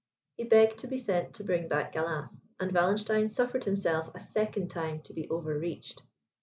He begged to be sent to bring back Gallas, and Wallenstein suffered himself a second time to be overreached.